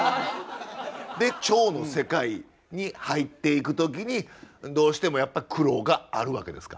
“聴の世界”に入っていく時にどうしてもやっぱ苦労があるわけですか？